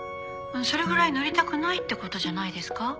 それぐらい乗りたくないってことじゃないですか？